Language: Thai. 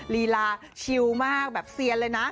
ลีลาชิลมากแบบเซียนเลยนะ